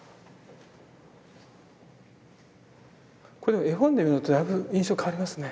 これ絵本で見るのとだいぶ印象変わりますね。